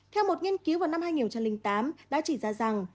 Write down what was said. theo một nghiên cứu vào năm hai nghìn tám đã chỉ ra rằng